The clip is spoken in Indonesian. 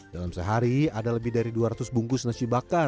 dalam sehari ada lebih dari dua ratus bungkus nasi bakar